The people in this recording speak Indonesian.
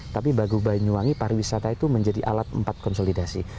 tapi bagu banyuwangi pariwisata itu menjadi alat empat konsolidasi